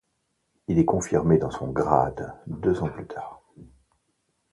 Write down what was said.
Il est confirmé dans son grade deux ans plus tard.